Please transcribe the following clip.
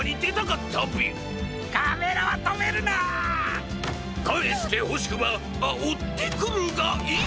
かえしてほしくばあおってくるがいいビ！